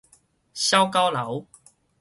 痟狗流